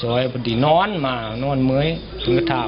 โซยบ่ดินอนมานอนเม้ยจึงก็ทำ